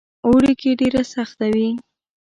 اوړي کې ډېره سخته وي.